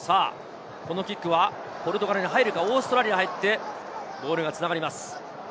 このキックはポルトガルに入るか、オーストラリアが入ってボールがつながります。